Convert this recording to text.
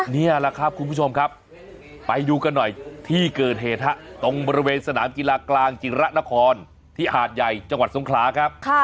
นี่แหละครับคุณผู้ชมครับไปดูกันหน่อยที่เกิดเหตุฮะตรงบริเวณสนามกีฬากลางจิระนครที่หาดใหญ่จังหวัดสงขลาครับ